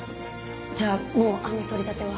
じゃあもうあんな取り立ては。